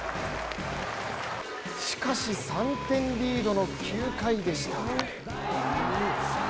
しかし３点リードの９回でした。